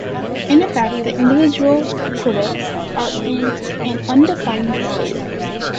In effect, the individual qubits are in an undefined state.